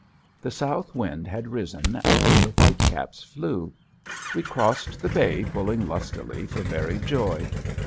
The south wind had risen and the white caps flew. We crossed the bay pulling lustily for very joy.